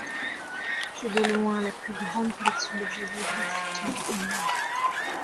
C’est de loin la plus grande collection d’objets vodou africains au monde.